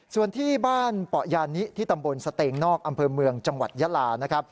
ส่วนที่บ้านปะยานิที่ตำบลสเตงนอกอำเภอเมืองจังหวัดยาลานะครับ